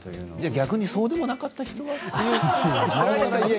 逆にそうでもなかった人は？